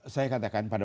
saya katakan pada